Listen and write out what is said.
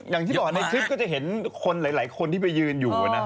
อย่างที่บอกในคลิปก็จะเห็นคนหลายคนที่ไปยืนอยู่นะ